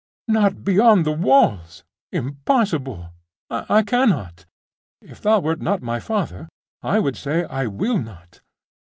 'Not beyond the walls! Impossible! I cannot! If thou wert not my father, I would say, I will not!